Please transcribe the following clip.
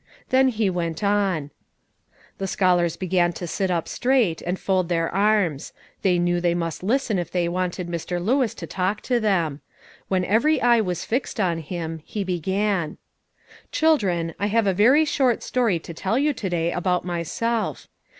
Then he went on. The scholars began to sit up straight, and fold their arms; they knew they must listen if they wanted Mr. Lewis to talk to them. When every eye was fixed on him, he began, "Children, I have a very short story to tell you to day about myself.